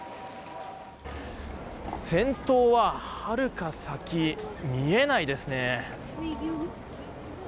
先頭ははるか先見えないですね。